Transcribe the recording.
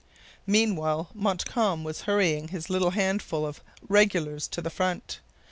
Meanwhile, Montcalm was hurrying his little handful of regulars to the front.